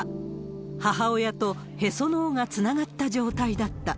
母親とへその緒がつながった状態だった。